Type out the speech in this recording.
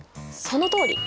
そのとおり！